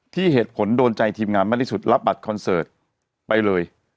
เหตุผลโดนใจทีมงานมากที่สุดรับบัตรคอนเสิร์ตไปเลย